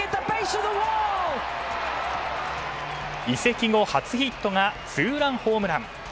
移籍後初ヒットがツーランホームラン。